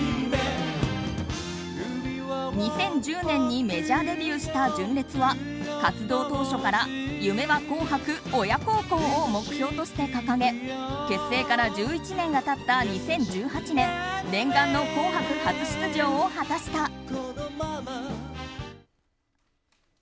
２０１０年にメジャーデビューした純烈は活動当初から「夢は紅白！親孝行！」を目標として掲げ、結成から１１年が経った２０１８年念願の「紅白」初出場を果たした。